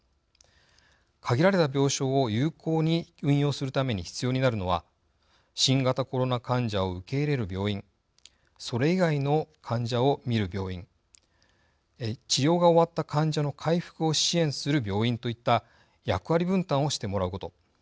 限られた病床を有効に運用するために必要になるのは新型コロナ患者を受け入れる病院それ以外の患者を診る病院治療が終わった患者の回復を支援する病院といった役割分担をしてもらうこと。